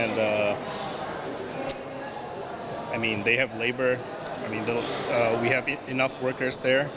dan mereka punya pekerja kita punya cukup pekerja di jawa tengah